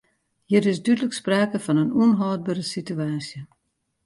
Hjir is dúdlik sprake fan in ûnhâldbere situaasje.